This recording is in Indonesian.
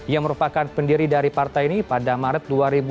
ia merupakan pendiri dari partai ini pada maret dua ribu lima belas